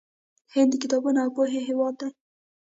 هند د کتابونو او پوهې هیواد دی.